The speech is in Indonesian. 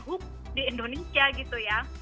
hook di indonesia gitu ya